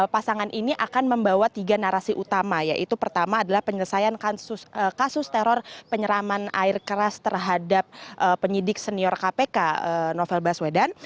pasangan ini akan membawa tiga narasi utama yaitu pertama adalah penyelesaian kasus teror penyeraman air keras terhadap penyidik senior kpk novel baswedan